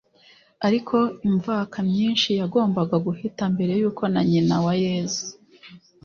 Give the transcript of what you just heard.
Ariko imvaka myinshi yagombaga guhita mbere yuko na nyina wa Yesu